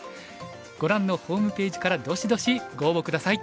ご覧のホームページからどしどしご応募下さい。